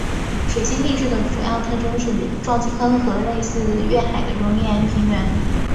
水星地质的主要特征是撞击坑和类似月海的熔岩平原。